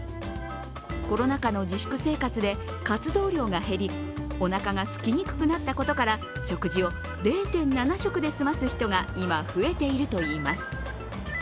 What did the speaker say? コロナ禍の自粛生活で活動量が減りおなかがすきにくくなったことから食事を０．７食で済ます人が今、増えているといいます。